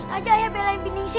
harus aja ayah belain bining si